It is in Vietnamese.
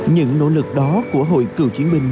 những nỗ lực đó của hội cựu chiến binh